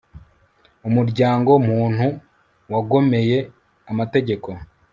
Umuryango muntu wagomeye amategeko